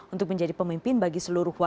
untuk menjadi pemimpin bagi seluruh warga